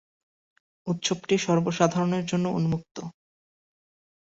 উৎসবটি সর্বসাধারণের জন্য উন্মুক্ত।